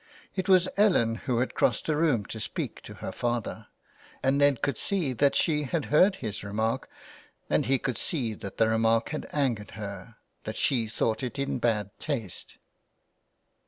It was Ellen who had crossed the room to speak to her father, and Ned could see that she had heard his remark, and he could see that the remark had angered her, that she thought it in bad taste.